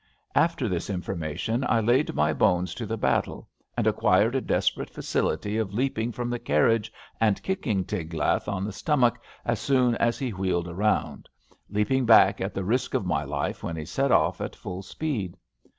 After this information I laid my bones to the battle, and acquired a desperate facility of leap ing from the carriage and kicking Tiglath on the stomach as soon as he wheeled around; leaping back at the risk of my life when he set off at full TIGLATH PILESEK 97 speed.